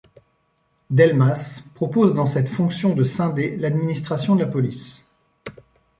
Delmas propose dans cette fonction de scinder l'administration de la police.